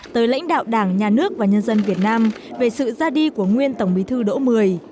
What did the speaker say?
tới lãnh đạo đảng nhà nước và nhân dân việt nam về sự ra đi của nguyên tổng bí thư đỗ mười